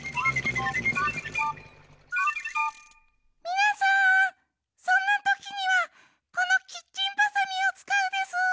みなさんそんなときにはこのキッチンバサミをつかうでスー。